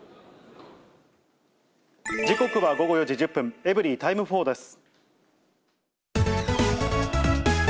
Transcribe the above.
時刻は午後４時１０分、エブリィタイム４です。